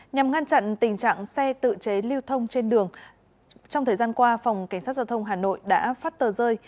nhằm ngăn chặn tình trạng xe tự chế lưu thông trên đường trong thời gian qua phòng cảnh sát giao thông hà nội đã phát tờ rơi